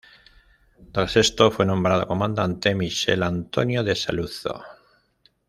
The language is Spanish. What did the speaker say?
Tras esto, fue nombrado comandante Michele Antonio de Saluzzo.